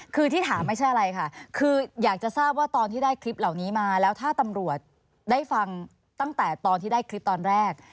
คือที่ถามไม่ใช่อะไรค่ะคืออยากจะทราบว่าตอนที่ได้คลิปเหล่านี้มาแล้วถ้าตำรวจได้ฟังตั้งแต่ตอนที่ได้คลิปตอนแรก